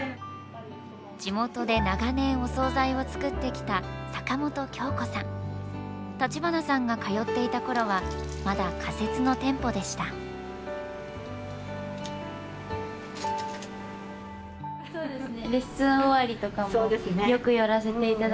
地元で長年お総菜を作ってきた橘さんが通っていたころはまだ仮設の店舗でしたですね。